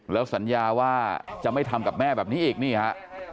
แล้วสัญญาว่าจะไม่ทำกับแม่แบบนี้อีกนี่ฮะ